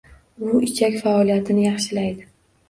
U ichak faoliyatini yaxshilaydi.